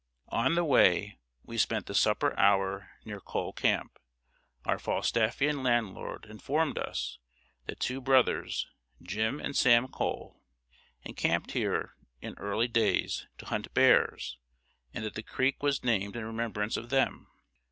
On the way we spent the supper hour near Cole Camp. Our Falstaffian landlord informed us that two brothers, Jim and Sam Cole, encamped here in early days, to hunt bears, and that the creek was named in remembrance of them.